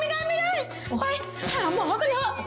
ไม่ได้ไปหาหมอกันเถอะ